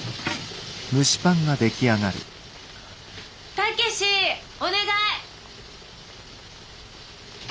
武志お願い！